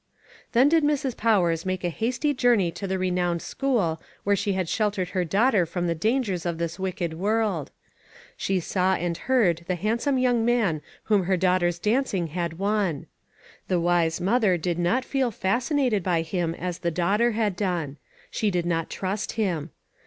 Then did Mrs. Powers make a hasty journey to the renowned school where she had sheltered her daughter from the dangers of this wicked world. She saw and heard A TOUCH OF THE WORLD. 395 the handsome young man whom her daugh ter's dancing' had won. The wise mother did not feel fascinated by Lira as the daugh ter h^d done. She did not trust him.